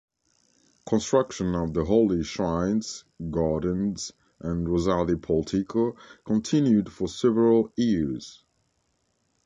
Construction of the holy shrines, gardens, and Rosary Portico continued for several years.